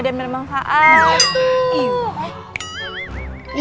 dan bermanfaat itu ibu